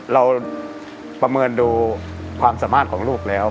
เราประเมินดูความสามารถของลูกแล้ว